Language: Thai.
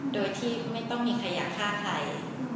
โดยที่ไม่ต้องมีใครอยากฆ่าใคร